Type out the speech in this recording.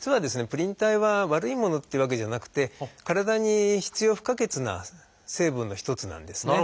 プリン体は悪いものっていうわけじゃなくて体に必要不可欠な成分の一つなんですね。